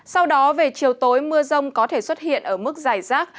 sau đó về chiều tối mưa rông có thể xuất hiện ở mức dài rác